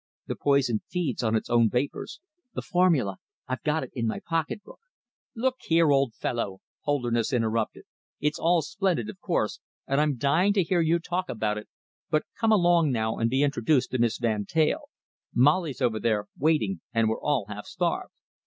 The poison feeds on its own vapours. The formula I've got it in my pocket book " "Look here, old fellow," Holderness interrupted, "it's all splendid, of course, and I'm dying to hear you talk about it, but come along now and be introduced to Miss Van Teyl. Molly's over there, waiting, and we're all half starved."